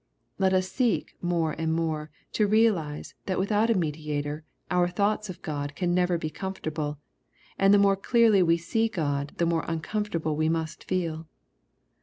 Let us seek more and more to realize that without a mediator our thoughts of God can never be comfortable, and the more clearly we see God the more uncomfortable we must feel.